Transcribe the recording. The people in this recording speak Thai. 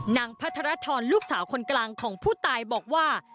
พระธรทรลูกสาวคนกลางของผู้ตายบอกว่า